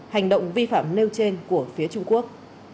hành động vi phạm nêu trên của phóng viên